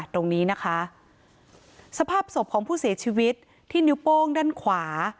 ตรงนี้นะคะสภาพศพของผู้เสียชีวิตที่นิ้วโป้งด้านขวา